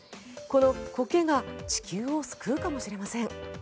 このコケが地球を救うかもしれません。